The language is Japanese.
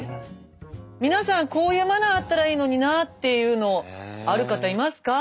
皆さんこういうマナーあったらいいのになっていうのある方いますか？